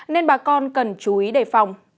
nên bà con cần chú ý đề phòng